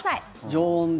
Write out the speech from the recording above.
常温で。